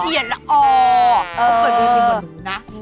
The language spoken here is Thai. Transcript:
ก็เปลี่ยนดีกว่าหนูนะ